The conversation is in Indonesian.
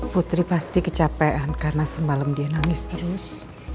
putri pasti kecapean karena semalam dia nangis terus